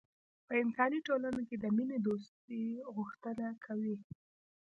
په انساني ټولنه کې د مینې دوستۍ غوښتنه کوي.